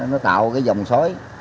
nó tạo cái dòng sói